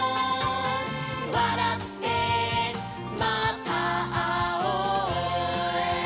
「わらってまたあおう」